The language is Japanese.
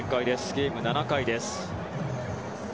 ゲーム、７回です。